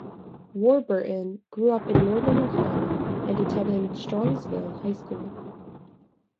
Warburton grew up in northern Ohio and attended Strongsville High School.